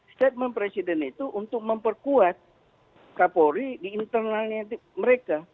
statement presiden itu untuk memperkuat kapolri di internalnya mereka